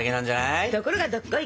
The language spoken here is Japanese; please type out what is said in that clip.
ところがどっこい！